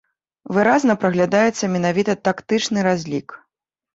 Выразна праглядаецца менавіта тактычны разлік.